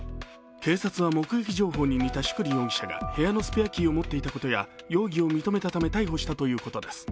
警察は目撃情報に似た宿利容疑者が部屋のスペアキーを持っていたことや容疑を認めたため逮捕したということです。